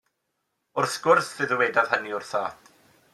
Wrth gwrs fe ddywedaf hynny wrtho.